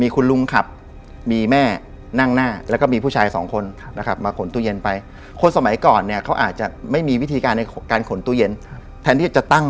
คืนนั้นคุณน้าผู้หญิง